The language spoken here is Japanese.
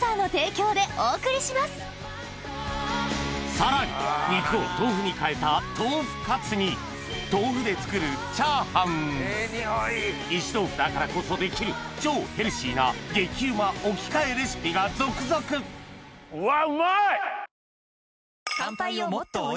さらに肉を豆腐にかえた豆腐で作る石豆富だからこそできる超ヘルシーな激うま置き換えレシピが続々うわ。